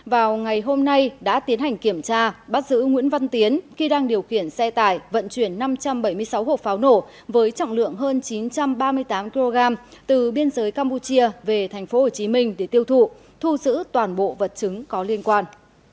vào ngày hôm nay đã tiến hành kiểm tra bắt giữ nguyễn văn tiến khi đang điều khiển xe tải vận chuyển năm trăm bảy mươi sáu hộp pháo nổ với trọng lượng hơn chín trăm ba mươi tám kg từ biên giới campuchia về tp hcm để tiêu thụ thu giữ toàn bộ vật chứng có liên quan